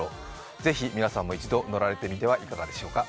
ぜひ皆さんも一度乗られてみてはいかがでしょうか。